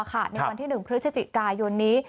ในวันที่๑พฤศจิกายนนี้